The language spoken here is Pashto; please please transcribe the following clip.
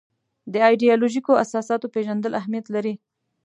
د ایدیالوژیکو اساساتو پېژندل اهمیت لري.